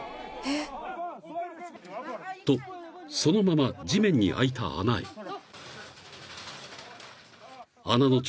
［とそのまま地面に開いた穴へ］